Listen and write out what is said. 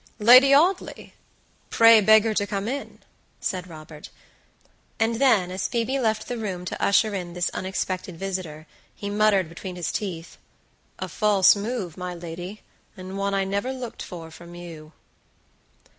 "Lady Audley! Pray beg her to come in," said Robert; and then, as Phoebe left the room to usher in this unexpected visitor, he muttered between his teeth"A false move, my lady, and one I never looked for from you."